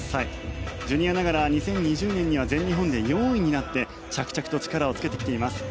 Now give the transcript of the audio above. ジュニアながら２０２０年には全日本で４位になって着々と力をつけてきています。